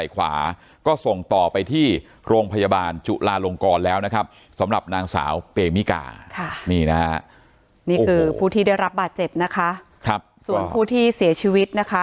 สาวเปมิกาค่ะนี่นะฮะนี่คือผู้ที่ได้รับบาดเจ็บนะคะครับส่วนผู้ที่เสียชีวิตนะคะ